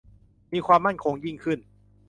มีความมั่นคงยิ่งขึ้น